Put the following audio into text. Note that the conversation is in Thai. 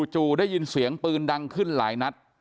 จู่ได้ยินเสียงปืนดังขึ้นหลายนัด